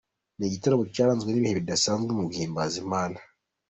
Ni igitaramo cyaranzwe n'ibihe bidasanzwe mu guhimbaza Imana.